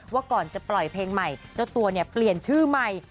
ว่าก่อนจะปล่อยเพลงใหม่เจ้าตัวเนี่ยเปลี่ยนชื่อใหม่